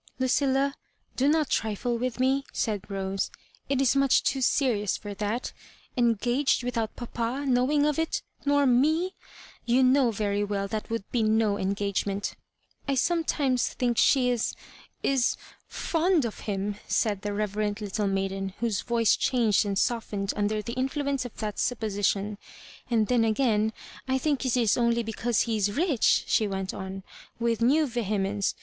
" Lucilla, do not trifle with me," said Rose ;*' it is much too serious for that — engaged with out papa knowing of it nor me I You know very well that would be no engagement I sometimes think she is — is — ^fond of him," said the reverent little maiden, whose voice changed and softened under the /Influence of that suppo sition; "and then again I think it is only be cause he is rich," she went on, with new veho mence.